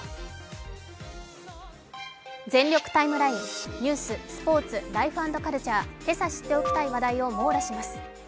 続いてはニュース、天気、スポーツ、ライフ＆カルチャーなど今朝知っておきたい話題を網羅します。